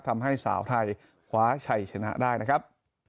ทำให้สาวไทยคว้าชัยชนะได้นะครับ